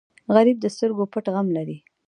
غریب د سترګو پټ غم لري